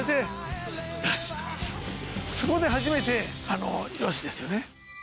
そこで初めてよし！ですよね。